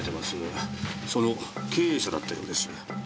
その経営者だったようです。